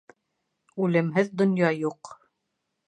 Үлемһеҙ донъя юҡ